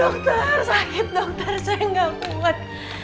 dokter sakit dokter saya gak buat